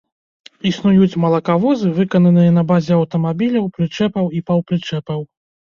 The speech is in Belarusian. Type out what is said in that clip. Існуюць малакавозы, выкананыя на базе аўтамабіляў, прычэпаў і паўпрычэпаў.